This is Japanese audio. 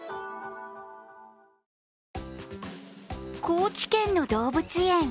高知県の動物園。